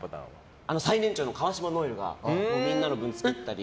最年長の川島如恵留がみんなの分作ったり。